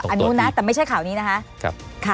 อันนี้นะแต่ไม่ใช่ข่าวนี้นะคะ